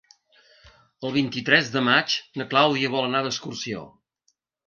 El vint-i-tres de maig na Clàudia vol anar d'excursió.